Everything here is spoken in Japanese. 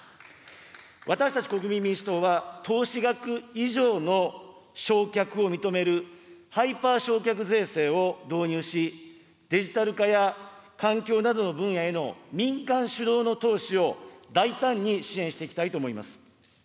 私たち国民民主党は、投資額以上の償却を認めるハイパー償却税制を導入し、デジタル化や環境などの分野への民間主導の投資を大胆に支援していきたいと思います。